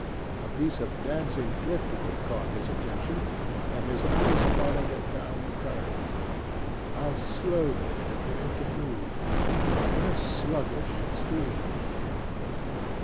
A piece of dancing driftwood caught his attention and his eyes followed it down the current. How slowly it appeared to move! What a sluggish stream!